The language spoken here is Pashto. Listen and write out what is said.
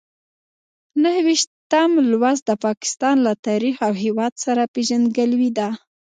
نهه ویشتم لوست د پاکستان له تاریخ او هېواد سره پېژندګلوي ده.